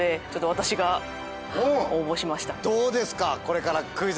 どうですか？